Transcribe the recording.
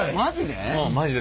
マジで？